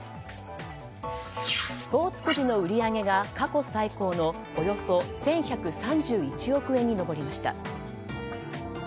スポーツくじの売り上げが過去最高のおよそ１１３１億円に上りました。